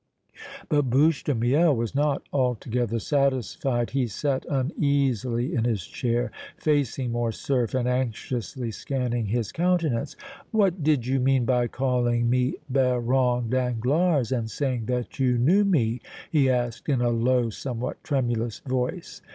But Bouche de Miel was not altogether satisfied. He sat uneasily in his chair, facing Morcerf and anxiously scanning his countenance. "What did you mean by calling me Baron Danglars and saying that you knew me?" he asked, in a low, somewhat tremulous voice.